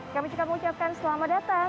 kami juga mengucapkan selamat datang